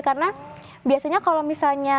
karena biasanya kalau misalnya